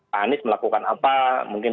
pak anies melakukan apa mungkin